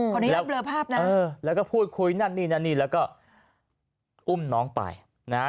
คนนี้เราเบลอภาพนะเออแล้วก็พูดคุยนั่นนี่นั่นนี่แล้วก็อุ้มน้องไปนะฮะ